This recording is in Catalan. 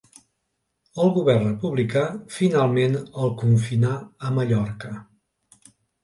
El govern republicà finalment el confinà a Mallorca.